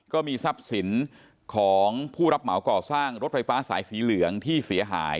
ก็มีทรัพย์สินของผู้รับเหมาก่อสร้างรถไฟฟ้าสายสีเหลืองที่เสียหาย